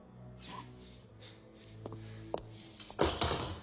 あっ。